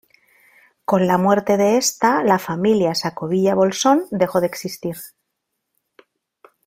Con la muerte de esta, la familia Sacovilla-Bolsón dejó de existir.